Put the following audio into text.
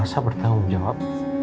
elsa bertanggung jawab